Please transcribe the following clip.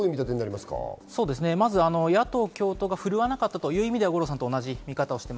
まず野党共闘が振るわなかったというのは五郎さんと同じ見方です。